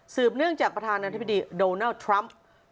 เนื่องจากประธานาธิบดีโดนัลด์ทรัมป์